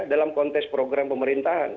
dalam konteks program pemerintahan